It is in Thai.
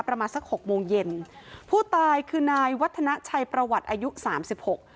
ประมาณสักหกโมงเย็นผู้ตายคือนายวัฒนาชัยประวัติอายุสามสิบหก